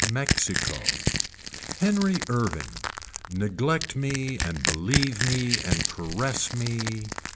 Mexico. Henry Irving. Neglect me and believe me and caress me.